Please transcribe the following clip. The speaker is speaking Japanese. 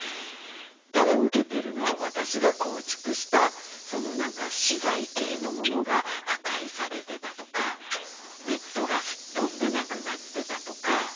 ただ受けてるのは私が構築した何か資材系の物が破壊されてたとかネットがすっ飛んでなくなってたとか。